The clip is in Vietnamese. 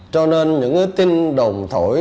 cho nên những tin đồn thổi